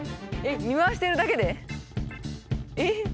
えっ見回してるだけで？